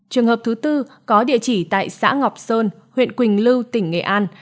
trường hợp thứ tư có địa chỉ tại xã ngọc sơn huyện quỳnh lưu tỉnh nghệ an